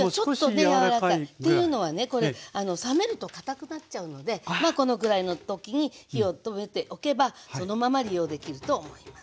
ちょっとやわらかい。っていうのはね冷めると堅くなっちゃうのでこのぐらいの時に火を止めておけばそのまま利用できると思います。